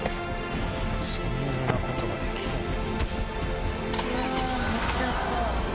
そんなことができるんだ。